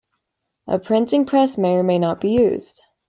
A printing press may or may not be used.